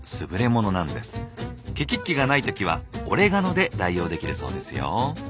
ケキッキがない時はオレガノで代用できるそうですよ。